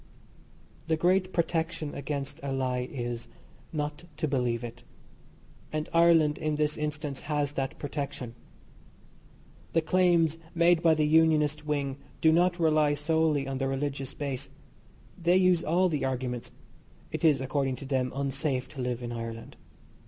The great protection against a lie is not to believe it; and Ireland, in this instance, has that protection. The claims made by the Unionist Wing do not rely solely on the religious base. They use all the arguments. It is, according to them, unsafe to live in Ireland.